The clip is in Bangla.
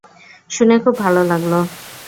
শুনে খুব ভালো লাগল।